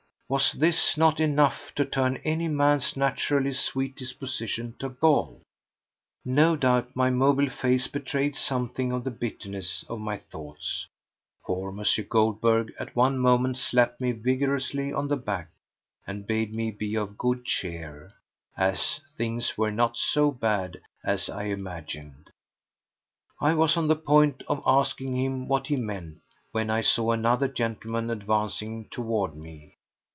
Was this not enough to turn any man's naturally sweet disposition to gall? No doubt my mobile face betrayed something of the bitterness of my thoughts, for M. Goldberg at one moment slapped me vigorously on the back and bade me be of good cheer, as things were not so bad as I imagined. I was on the point of asking him what he meant when I saw another gentleman advancing toward me.